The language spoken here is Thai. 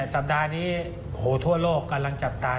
สัปดาห์นี้โหทั่วโลกกำลังจับตา